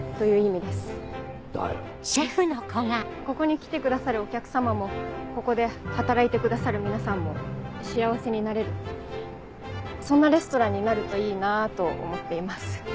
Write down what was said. ここに来てくださるお客様もここで働いてくださる皆さんも幸せになれるそんなレストランになるといいなと思っています。